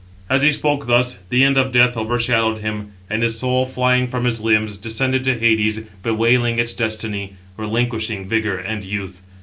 As he spoke thus, the end of death overshadowed him; and his soul flying from his limbs, descended to Hades, bewailing its destiny, relinquishing vigour and youth.